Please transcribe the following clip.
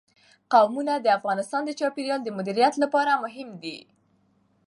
قومونه د افغانستان د چاپیریال د مدیریت لپاره مهم دي.